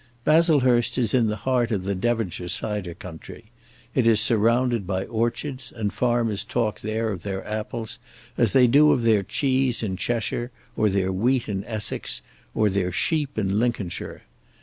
Baslehurst is in the heart of the Devonshire cider country. It is surrounded by orchards, and farmers talk there of their apples as they do of their cheese in Cheshire, or their wheat in Essex, or their sheep in Lincolnshire.